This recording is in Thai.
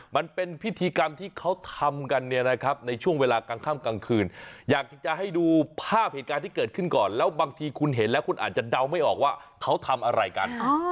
มันเป็นพิธีกรรมที่เขาทำกันเนี่ยนะครับในช่วงเวลากลางค่ำกลางคืนอยากจะให้ดูภาพเหตุการณ์ที่เกิดขึ้นก่อนแล้วบางทีคุณเห็นแล้วคุณอาจจะเดาไม่ออกว่าเขาทำอะไรกัน